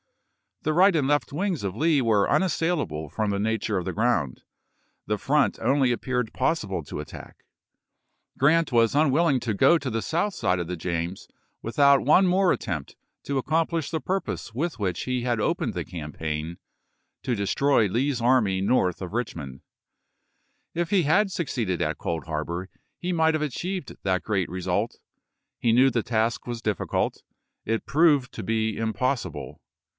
The right and left wings of Lee were unassailable from the nature of the ground ; the front only appeared possible to attack. Grant was unwilling to go to GENERAL RICHARD H. ANDERSON'. SPOTSYLVANIA AND COLD HARBOR 401 the south side of the James without one more chap. xv. attempt to accomplish the purpose with which he had opened the campaign, to destroy Lee's army north of Richmond. If he had succeeded at Cold Harbor he might have achieved that great result. He knew the task was difficult — it proved to be impossible.